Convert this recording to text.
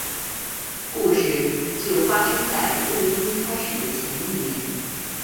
故事就发生在录音开始的前一年。